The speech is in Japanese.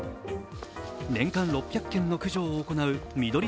年間６００件の駆除を行うみどり